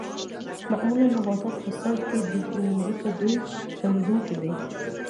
معمولاً نباتات په سر کې دي ځکه دوی تولیدونکي دي